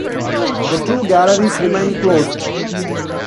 The two galleries remain closed.